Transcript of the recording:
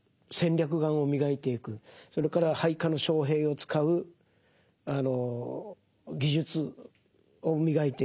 それから配下の将兵を使う技術を磨いていく。